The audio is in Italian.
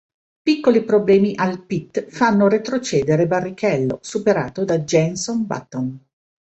Piccoli problemi al "pit" fanno retrocedere Barrichello, superato da Jenson Button.